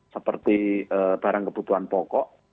seperti barang kebutuhan pokok